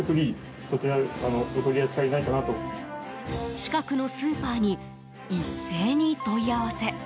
近くのスーパーに一斉に問い合わせ。